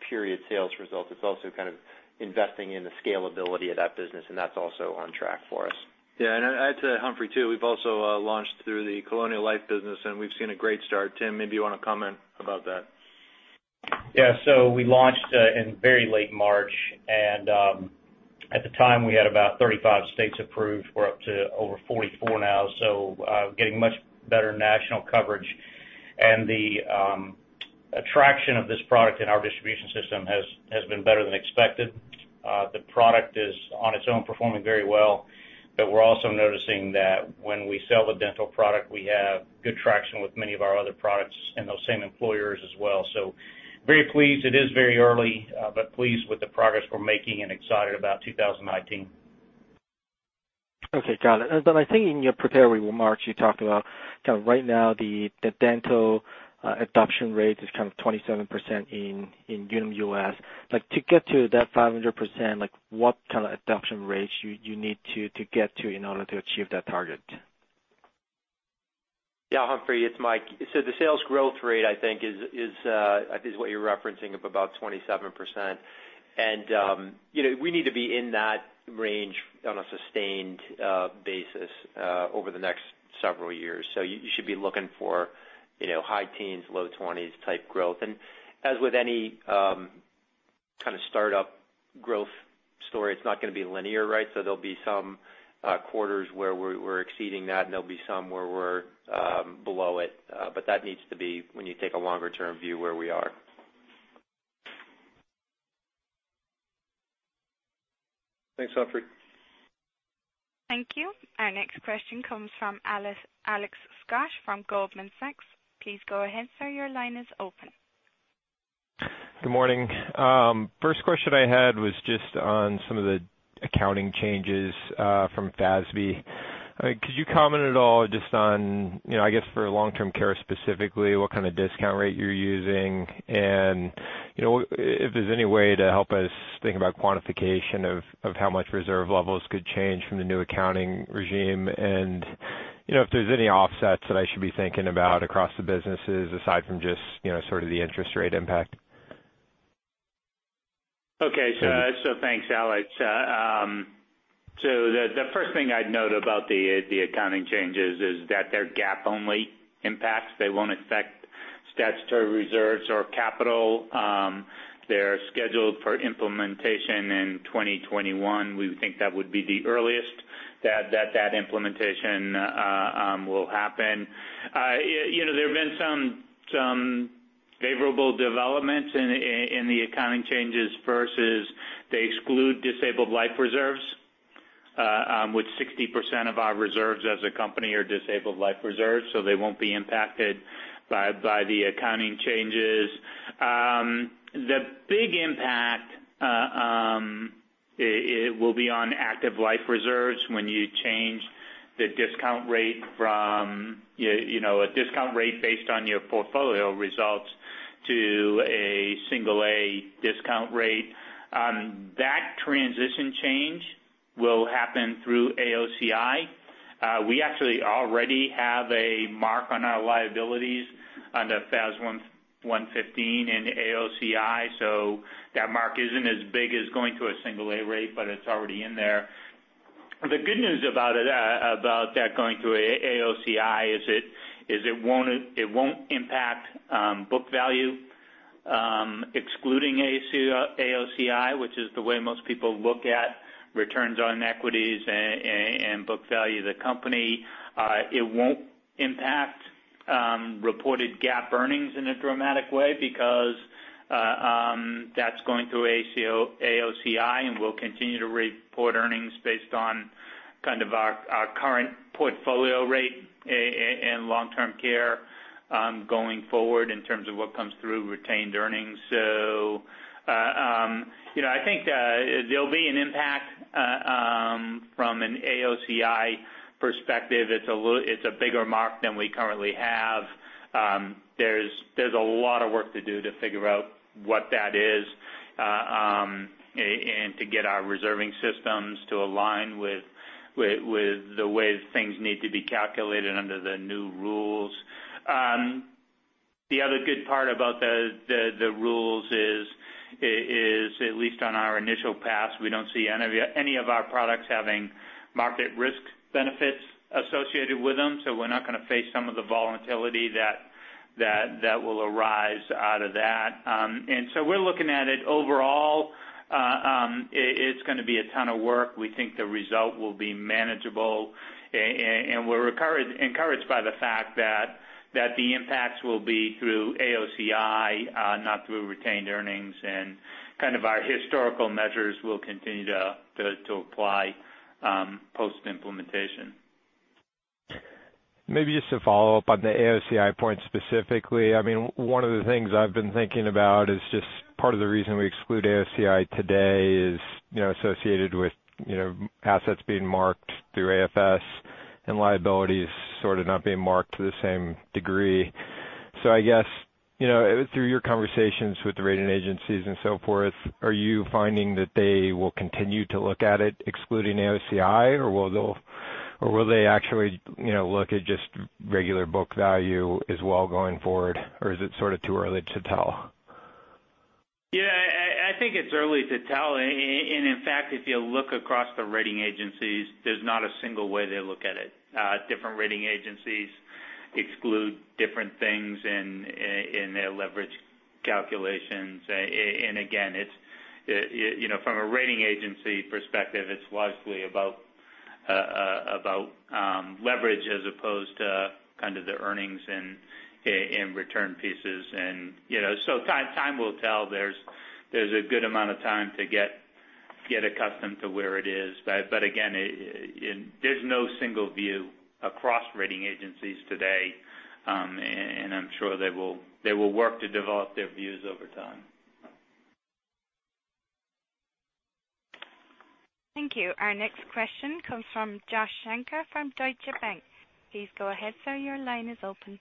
F: period sales results. It's also kind of investing in the scalability of that business, and that's also on track for us.
C: I'd say, Humphrey, too, we've also launched through the Colonial Life business, and we've seen a great start. Tim, maybe you want to comment about that.
J: We launched in very late March, and at the time, we had about 35 states approved. We're up to over 44 now, getting much better national coverage. The attraction of this product in our distribution system has been better than expected. The product is on its own, performing very well. We're also noticing that when we sell the dental product, we have good traction with many of our other products and those same employers as well. Very pleased. It is very early. Pleased with the progress we're making and excited about 2019.
N: Okay, got it. I think in your prepared remarks, you talked about kind of right now, the dental adoption rate is kind of 27% in Unum US. To get to that 500%, what kind of adoption rates you need to get to in order to achieve that target?
F: Humphrey, it's Mike. The sales growth rate, I think is what you're referencing of about 27%. We need to be in that range on a sustained basis over the next several years. You should be looking for high teens, low 20s type growth. As with any kind of startup growth story, it's not going to be linear, right? There'll be some quarters where we're exceeding that, and there'll be some where we're below it. That needs to be when you take a longer-term view where we are.
C: Thanks, Humphrey.
A: Thank you. Our next question comes from Alex Scott from Goldman Sachs. Please go ahead, sir. Your line is open.
O: Good morning. First question I had was just on some of the accounting changes from FASB. Could you comment at all just on, I guess for long-term care specifically, what kind of discount rate you're using and if there's any way to help us think about quantification of how much reserve levels could change from the new accounting regime and if there's any offsets that I should be thinking about across the businesses aside from just sort of the interest rate impact?
D: Thanks, Alex. The first thing I'd note about the accounting changes is that they're GAAP-only impacts. They won't affect statutory reserves or capital. They're scheduled for implementation in 2021. We would think that would be the earliest that that implementation will happen. There have been some favorable developments in the accounting changes versus they exclude disabled life reserves, with 60% of our reserves as a company are disabled life reserves, so they won't be impacted by the accounting changes. The big impact will be on active life reserves when you change the discount rate from a discount rate based on your portfolio results to a single A discount rate. That transition change will happen through AOCI. We actually already have a mark on our liabilities under FAS 115 and AOCI, that mark isn't as big as going to a single A rate, but it's already in there. The good news about that going through AOCI is it won't impact book value excluding AOCI, which is the way most people look at returns on equities and book value of the company. It won't impact reported GAAP earnings in a dramatic way because that's going through AOCI, and we'll continue to report earnings based on kind of our current portfolio rate in long-term care, going forward in terms of what comes through retained earnings. I think there'll be an impact from an AOCI perspective. It's a bigger mark than we currently have. There's a lot of work to do to figure out what that is, and to get our reserving systems to align with the way things need to be calculated under the new rules. The other good part about the rules is, at least on our initial pass, we don't see any of our products having market risk benefits associated with them. We're not going to face some of the volatility that will arise out of that. We're looking at it overall. It's going to be a ton of work. We think the result will be manageable, and we're encouraged by the fact that the impacts will be through AOCI, not through retained earnings, and kind of our historical measures will continue to apply, post-implementation.
O: Just to follow up on the AOCI point specifically. One of the things I've been thinking about is just part of the reason we exclude AOCI today is associated with assets being marked through AFS and liabilities sort of not being marked to the same degree. I guess, through your conversations with the rating agencies and so forth, are you finding that they will continue to look at it excluding AOCI, or will they actually look at just regular book value as well going forward, or is it sort of too early to tell?
D: Yeah. I think it's early to tell. In fact, if you look across the rating agencies, there's not a single way they look at it. Different rating agencies exclude different things in their leverage calculations. Again, from a rating agency perspective, it's largely about leverage as opposed to kind of the earnings and return pieces. Time will tell. There's a good amount of time to get accustomed to where it is. Again, there's no single view across rating agencies today, and I'm sure they will work to develop their views over time.
A: Thank you. Our next question comes from Joshua Shanker from Deutsche Bank. Please go ahead, sir. Your line is open.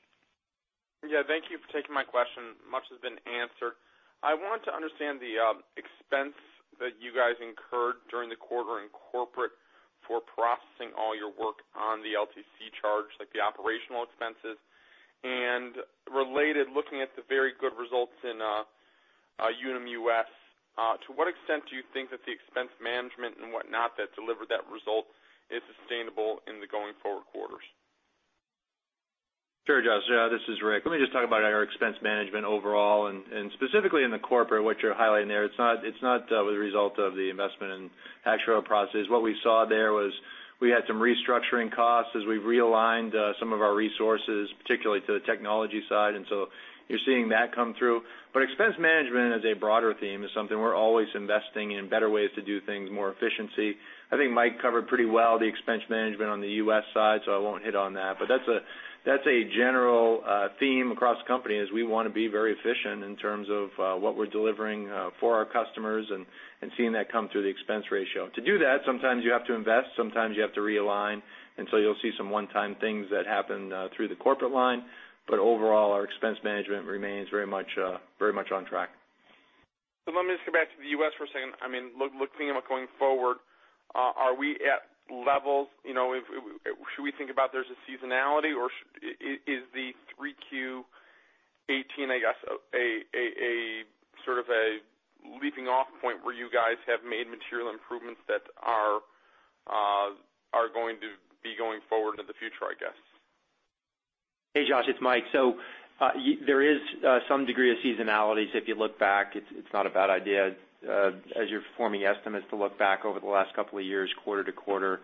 P: Yeah. Thank you for taking my question. Much has been answered. I want to understand the expense that you guys incurred during the quarter in corporate for processing all your work on the LTC charge, like the operational expenses, and related, looking at the very good results in Unum US, to what extent do you think that the expense management and whatnot that delivered that result is sustainable in the going forward quarters?
C: Sure, Josh. This is Rick. Let me just talk about our expense management overall, and specifically in the corporate, what you're highlighting there. It's not the result of the investment in actuarial processes. What we saw there was we had some restructuring costs as we realigned some of our resources, particularly to the technology side. You're seeing that come through. Expense management as a broader theme is something we're always investing in better ways to do things, more efficiency. I think Mike covered pretty well the expense management on the U.S. side, I won't hit on that. That's a general theme across the company, is we want to be very efficient in terms of what we're delivering for our customers and seeing that come through the expense ratio. To do that, sometimes you have to invest, sometimes you have to realign. You'll see some one-time things that happen through the corporate line. Overall, our expense management remains very much on track.
P: Let me just come back to the U.S. for a second. Looking about going forward, are we at levels, should we think about there's a seasonality, or is the Q3 2018, I guess, sort of a leaping off point where you guys have made material improvements that are going to be going forward into the future, I guess?
F: Hey, Josh. It's Mike. There is some degree of seasonality. If you look back, it's not a bad idea as you're performing estimates to look back over the last couple of years, quarter to quarter.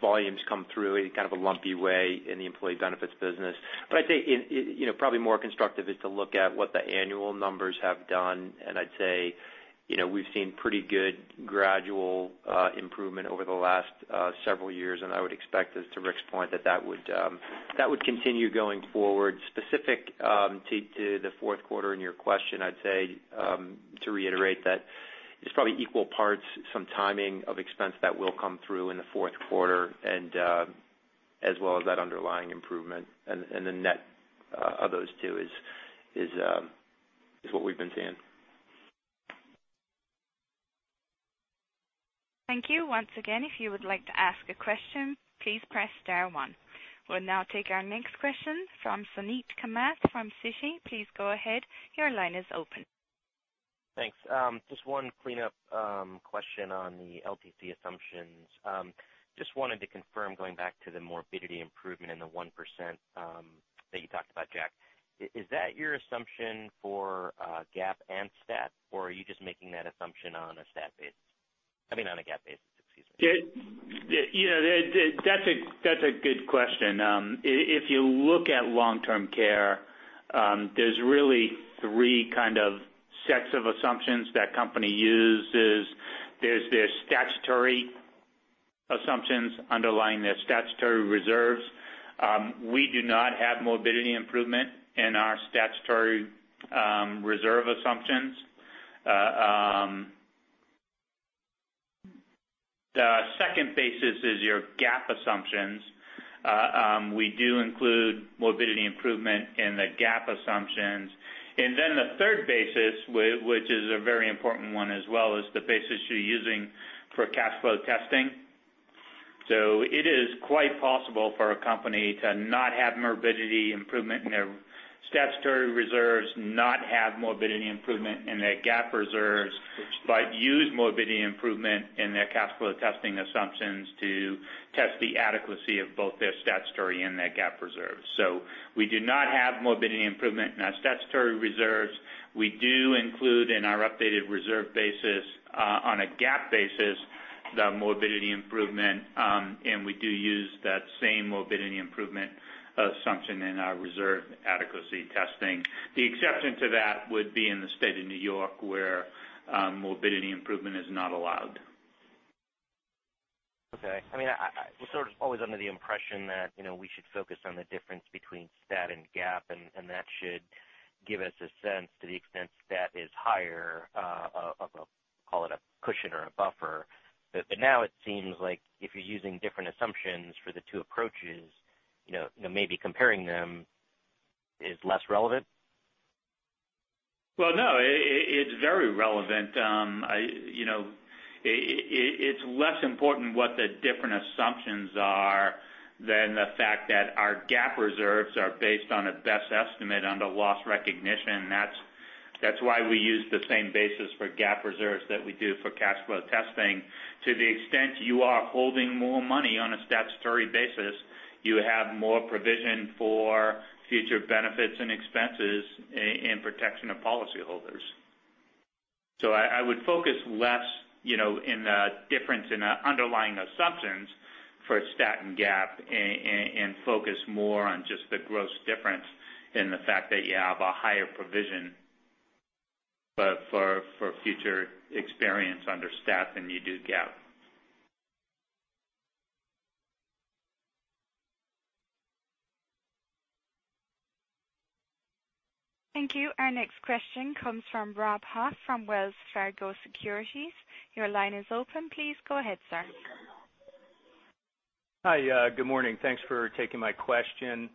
F: Volumes come through in kind of a lumpy way in the employee benefits business. I'd say probably more constructive is to look at what the annual numbers have done, and I'd say we've seen pretty good gradual improvement over the last several years, and I would expect as to Rick's point, that would continue going forward. Specific to the fourth quarter in your question, I'd say, to reiterate that it's probably equal parts, some timing of expense that will come through in the fourth quarter and as well as that underlying improvement. The net of those two is what we've been seeing.
A: Thank you. Once again, if you would like to ask a question, please press star one. We will now take our next question from Suneet Kamath from Citi. Please go ahead. Your line is open.
Q: Thanks. Just one cleanup question on the LTC assumptions. Just wanted to confirm, going back to the morbidity improvement and the 1% that you talked about, Jack, is that your assumption for GAAP and STAT, or are you just making that assumption on a STAT basis? I mean on a GAAP basis, excuse me.
D: That's a good question. If you look at long-term care, there's really three kind of sets of assumptions that company uses. There's their statutory assumptions underlying their statutory reserves. We do not have morbidity improvement in our statutory reserve assumptions. The second basis is your GAAP assumptions. We do include morbidity improvement in the GAAP assumptions. The third basis, which is a very important one as well, is the basis you're using for cash flow testing. It is quite possible for a company to not have morbidity improvement in their statutory reserves, not have morbidity improvement in their GAAP reserves, but use morbidity improvement in their capital testing assumptions to test the adequacy of both their statutory and their GAAP reserves. We do not have morbidity improvement in our statutory reserves. We do include in our updated reserve basis, on a GAAP basis, the morbidity improvement, and we do use that same morbidity improvement assumption in our reserve adequacy testing. The exception to that would be in the state of New York, where morbidity improvement is not allowed.
Q: Okay. I was always under the impression that we should focus on the difference between STAT and GAAP, and that should give us a sense to the extent STAT is higher, call it a cushion or a buffer. Now it seems like if you're using different assumptions for the two approaches, maybe comparing them is less relevant?
D: Well, no, it's very relevant. It's less important what the different assumptions are than the fact that our GAAP reserves are based on a best estimate under loss recognition. That's why we use the same basis for GAAP reserves that we do for cash flow testing. To the extent you are holding more money on a statutory basis, you have more provision for future benefits and expenses in protection of policyholders. I would focus less in the difference in the underlying assumptions for STAT and GAAP, and focus more on just the gross difference in the fact that you have a higher provision for future experience under STAT than you do GAAP.
A: Thank you. Our next question comes from Robert Huff from Wells Fargo Securities. Your line is open. Please go ahead, sir.
R: Hi. Good morning. Thanks for taking my question.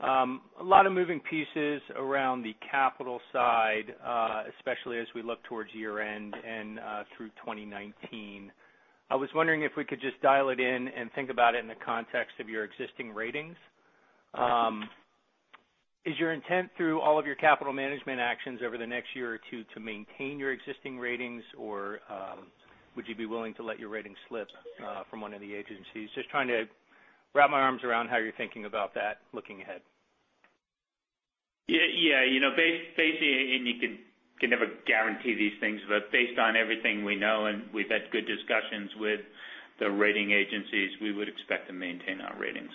R: A lot of moving pieces around the capital side, especially as we look towards year-end and through 2019. I was wondering if we could just dial it in and think about it in the context of your existing ratings. Is your intent through all of your capital management actions over the next year or two to maintain your existing ratings, or would you be willing to let your ratings slip from one of the agencies? Just trying to wrap my arms around how you're thinking about that looking ahead.
D: Yeah. Basically, you can never guarantee these things, based on everything we know, and we've had good discussions with the rating agencies, we would expect to maintain our ratings.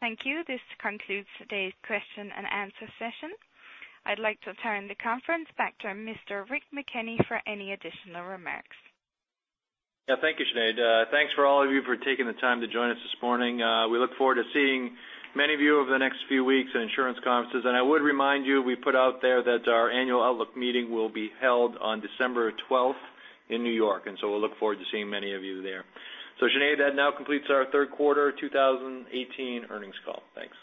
A: Thank you. This concludes today's question and answer session. I'd like to turn the conference back to Mr. Rick McKenney for any additional remarks.
C: Yeah. Thank you, Sinead. Thanks for all of you for taking the time to join us this morning. We look forward to seeing many of you over the next few weeks at insurance conferences. I would remind you, we put out there that our annual outlook meeting will be held on December 12th in New York, we'll look forward to seeing many of you there. Sinead, that now completes our third quarter 2018 earnings call. Thanks.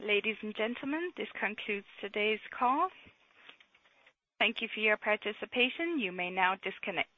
A: Ladies and gentlemen, this concludes today's call. Thank you for your participation. You may now disconnect.